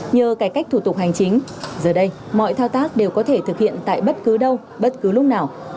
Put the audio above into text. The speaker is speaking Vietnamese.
nhờ cải cách thủ tục hành chính giờ đây mọi thao tác đều có thể thực hiện tại bất cứ đâu bất cứ lúc nào